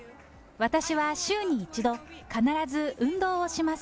私は週に１度、必ず運動をします。